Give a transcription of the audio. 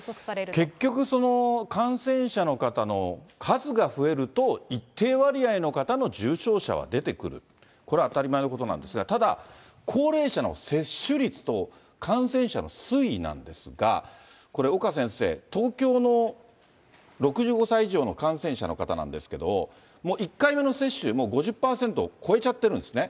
結局、その感染者の方の数が増えると、一定割合の方の重症者は出てくる、これは当たり前のことなんですが、ただ高齢者の接種率と感染者の推移なんですが、これ岡先生、東京の６５歳以上の感染者の方なんですけど、１回目の接種、５０％超えちゃってるんですね。